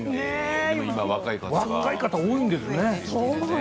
今、若い方、多いんですね。